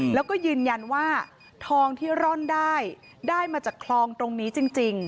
แล้วก็ยืนยันว่าทองที่ร่อนได้ได้มาจากคลองตรงนี้จริง